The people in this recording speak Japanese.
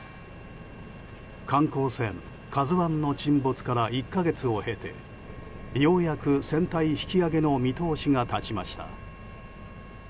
観光船「ＫＡＺＵ１」の沈没から１か月を経てようやく船体引き揚げの見通しが立ちました。